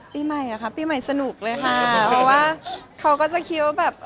ปีใหม่เหรอคะปีใหม่สนุกเลยค่ะเพราะว่าเขาก็จะคิดว่าแบบ